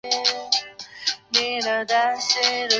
中间的拱肩上有曼努埃尔一世的徽章。